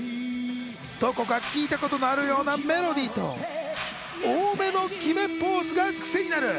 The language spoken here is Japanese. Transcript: どこか聴いたことのあるようなメロディーと、多めの決めポーズがクセになる。